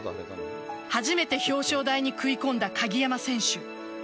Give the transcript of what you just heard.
初めて表彰台に食い込んだ鍵山選手。